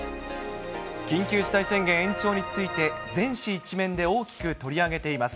緊急事態宣言延長について、全紙１面で大きく取り上げています。